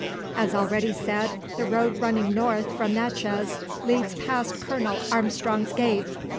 As already said, the road running north from Natchez leads past Colonel Armstrong's gate.